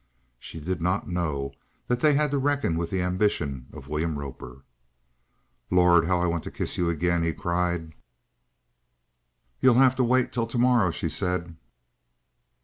She did not know that they had to reckon with the ambition of William Roper. "Lord, how I want to kiss you again!" he cried. "You'll have to wait till tomorrow," she said.